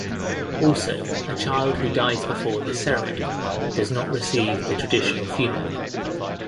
Also, a child who dies before this ceremony does not receive the traditional funeral.